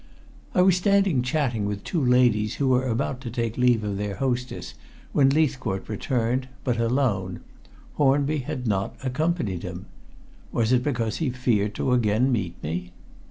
I was standing chatting with two ladies who were about to take leave of their hostess, when Leithcourt returned, but alone. Hornby had not accompanied him. Was it because he feared to again meet me?